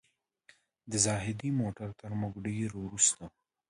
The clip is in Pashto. د زاهدي موټر تر موږ ډېر وروسته و.